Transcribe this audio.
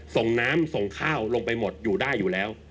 ส่งน้ำส่งข้าวลงไปหมดอยู่ได้อยู่แล้ว